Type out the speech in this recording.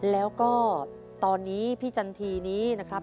แล้วก็ตอนนี้พี่จันทีนี้นะครับ